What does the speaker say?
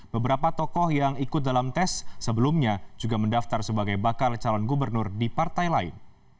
beberapa tokoh yang ikut dalam tes sebelumnya juga mendaftar sebagai bakal calon gubernur di partai lain